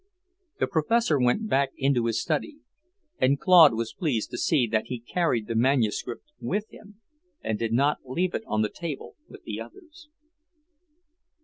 The Professor went back into his study, and Claude was pleased to see that he carried the manuscript with him and did not leave it on the table with the others.